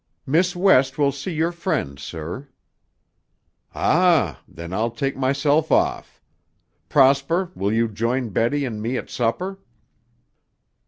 "Miss West will see your friend, sir." "Ah! Then I'll take myself off. Prosper, will you join Betty and me at supper?"